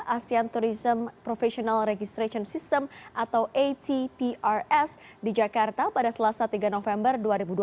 asean tourism professional registration system atau atprs di jakarta pada selasa tiga november dua ribu dua puluh